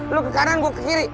lu ke kanan gue ke kiri